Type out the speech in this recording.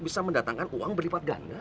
bisa mendatangkan uang berlipat ganda